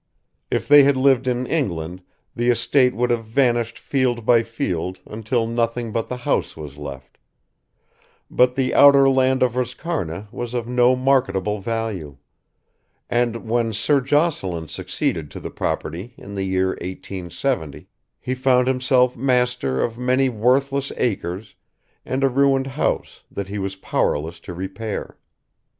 If they had lived in England the estate would have vanished field by field until nothing but the house was left; but the outer land at Roscarna was of no marketable value, and when Sir Jocelyn succeeded to the property in the year 1870, he found himself master of many worthless acres and a ruined house that he was powerless to repair.